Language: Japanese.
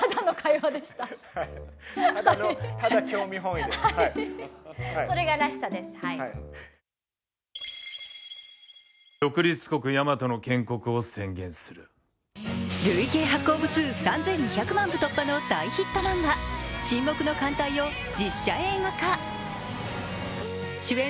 イベント前の控え室では累計発行部数３２００万部突破の大ヒット漫画「沈黙の艦隊」を実写映画化。